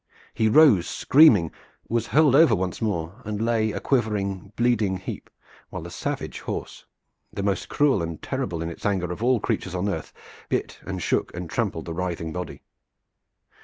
He rose screaming, was hurled over once more, and lay a quivering, bleeding heap, while the savage horse, the most cruel and terrible in its anger of all creatures on earth, bit and shook and trampled the writhing body.